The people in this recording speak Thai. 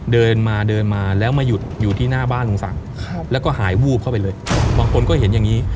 เดินมาเดินมาแล้วมาหยุดอยู่ที่หน้าบ้านลุงศักดิ์แล้วก็หายวูบเข้าไปเลยบางคนก็เห็นอย่างนี้